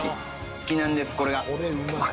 好きなんですこれが。